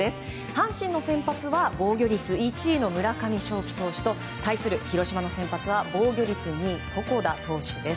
阪神の先発は防御率１位の村上頌樹投手と対する広島の先発は防御率２位床田投手です。